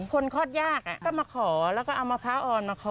คลอดยากก็มาขอแล้วก็เอามะพร้าวอ่อนมาขอ